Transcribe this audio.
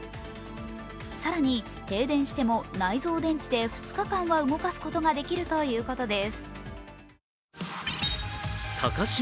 更に停電しても内蔵電池で２日間は動かすことができるということです。